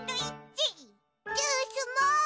ジュースも！